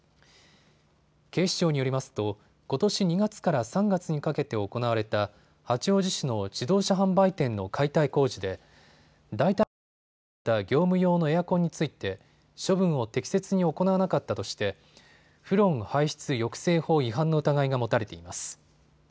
警視庁によりますとことし２月から３月にかけて行われた八王子市の自動車販売店の解体工事で代替フロンを使った業務用のエアコンについて処分を適切に行わなかったとしてフロン排出抑制法違反の疑いが持たれています。